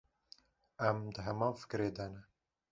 Em di heman fikrê de ne.